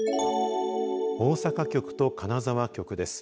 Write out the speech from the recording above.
大阪局と金沢局です。